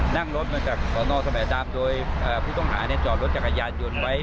นั่งรถเมื่อจากต่อนออกสมัยดำโดยเอ่อผู้ต้องหาเนี่ยจอดรถจักรยานยนต์ไว้